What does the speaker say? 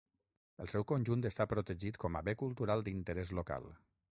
El seu conjunt està protegit com a bé cultural d'interès local.